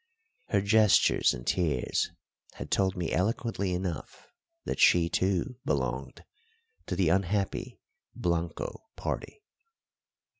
Her gestures and tears had told me eloquently enough that she too belonged to the unhappy Blanco party.